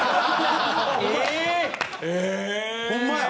えーっ！ホンマや。